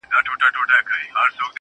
پر ښايستوكو سترگو.